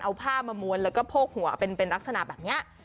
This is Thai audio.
เอาผ้ามาม้วนแล้วก็โพกหัวเป็นลักษณะแบบนี้